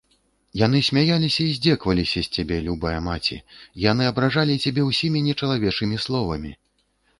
Яны смяяліся і здзекваліся з цябе, любая маці, яны абражалі цябе ўсімі нечалавечымі словамі.